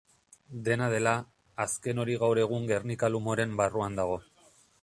Dena dela, azken hori gaur egun Gernika-Lumoren barruan dago.